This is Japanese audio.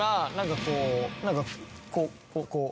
何かこう。